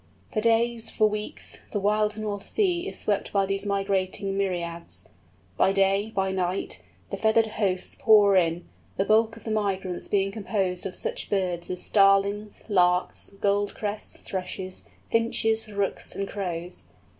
For days, for weeks, the wild North Sea is swept by these migrating myriads. By day, by night, the feathered hosts pour in; the bulk of the migrants being composed of such birds as Starlings, Larks, Goldcrests, Thrushes, Finches, Rooks, and Crows.